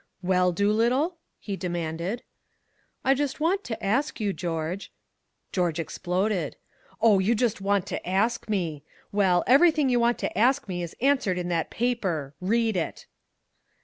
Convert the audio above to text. "Well, Doolittle?" he demanded. "I just want to ask you, George " George exploded. "Oh, you just want to ask me! Well, everything you want to ask me is answered in that paper. Read it!"